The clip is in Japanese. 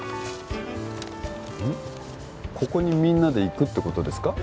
ここにみんなで行くってことですか？